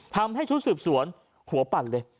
ทำให้ชุดสืบสวนหัวปั่นเลย